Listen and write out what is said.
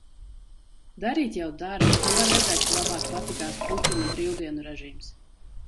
Darīt jau dara, bet nu var redzēt, ka labāk patikās Putina brīvdienu režīms.